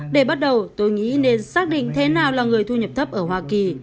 để bắt đầu tôi nghĩ nên xác định thế nào là người thu nhập thấp ở hoa kỳ